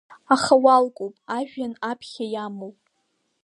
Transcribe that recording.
Аха уалкоуп ажәҩан аԥхьа иамоу…